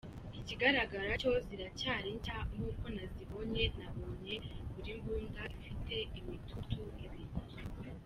Ikigaragara cyo ziracyari nshya nk’uko nazibonye, nabonye buri mbunda ifite imitutu ibiri.”